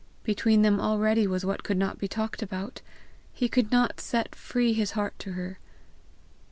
Between them already was what could not be talked about! He could not set free his heart to her!